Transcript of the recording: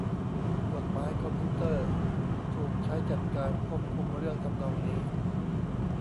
กฎหมายคอมพิวเตอร์ถูกใช้จัดการควบคุมเรื่องทำนองนี้